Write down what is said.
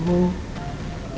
itu artinya cucu mama